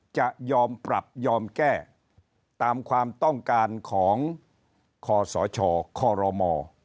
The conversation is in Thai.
จะยอมปรับยอมแก้ตามความต้องการของคศครม